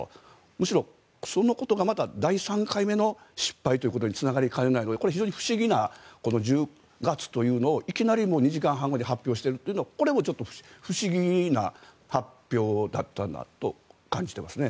むしろそのことがまた第３回目の失敗につながりかねないのでこれ、不思議な１０月というのをいきなり２時間半後に発表しているというのはこれも不思議な発表だったなと感じています。